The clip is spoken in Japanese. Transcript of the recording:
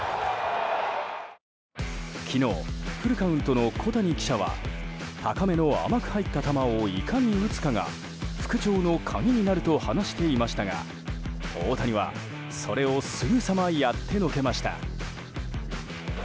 昨日「フルカウント」の小谷記者は高めの甘く入った球をいかに打つかが復調の鍵になると話していましたが大谷はそれをすぐさまやってのけました。